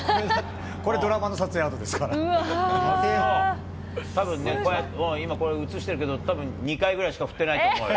これ、ドラマの撮影あとですたぶんね、今、これ写ってるけど、たぶん２回ぐらいしか振ってないと思うよ。